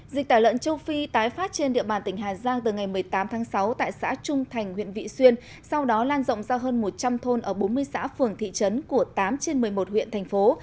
dịch tả lợn châu phi tái phát trên địa bàn tỉnh hà giang từ ngày một mươi tám tháng sáu tại xã trung thành huyện vị xuyên sau đó lan rộng ra hơn một trăm linh thôn ở bốn mươi xã phường thị trấn của tám trên một mươi một huyện thành phố